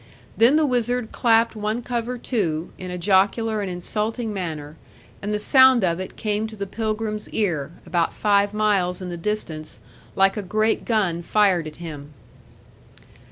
Then the wizard clapped one cover to, in a jocular and insulting manner; and the sound of it came to the pilgrim's ear, about five miles in the distance, like a great gun fired at him.